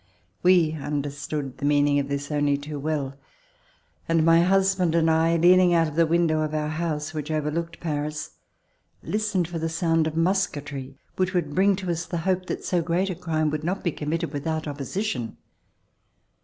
We under stood the meaning of this only too well, and my husband and I, leaning out of the window of our house, which overlooked Paris, listened for the sound of musketry which would bring to us the hope that so great a crime would not be committed without opposition.